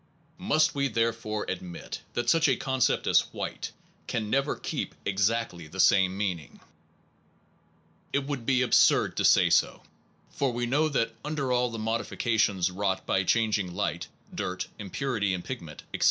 Must we therefore ad mit that such a concept as white can never keep exactly the same meaning? 104 PERCEPT AND CONCEPT It would be absurd to say so, for we know that under all the modifications wrought by changing light, dirt, impurity in pigment, etc.